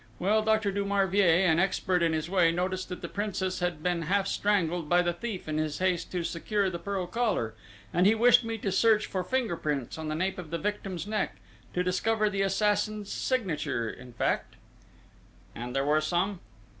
Well Dr. Du Marvier, an expert in his way, noticed that the Princess had been half strangled by the thief in his haste to secure the pearl collar, and he wished me to search for finger prints on the nape of the victim's neck to discover the assassin's signature in fact." "And there were some?"